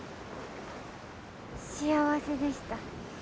幸せでした。